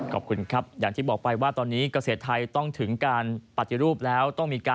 ขอบคุณครับอย่างที่บอกไปว่าตอนนี้เกษตรไทยต้องถึงการปฏิรูปแล้วต้องมีการ